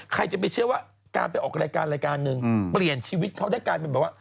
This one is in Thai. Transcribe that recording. ใครจะไปเชื่อว่าการไปออกรายการรายการหนึ่งเปลี่ยนชีวิตเขาได้กลายเป็นแบบว่า